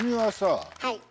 はい。